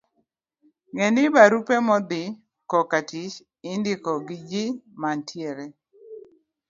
Ng'e ni, barupe modhi kokatich indiko gi ji manitiere e